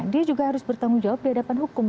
dia juga harus bertanggung jawab di hadapan hukum